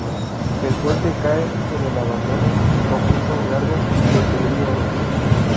El puente cae en el abandono y comienza un largo deterioro.